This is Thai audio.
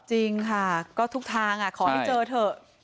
จริงค่ะก็ทุกทางขอให้เจอเถอะ